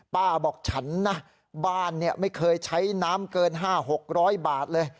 บอกฉันนะบ้านไม่เคยใช้น้ำเกิน๕๖๐๐บาทเลย